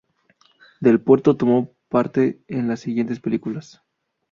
Del Puerto tomó parte en las siguientes películas.